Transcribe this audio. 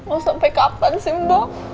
oh sampai kapan sih mbok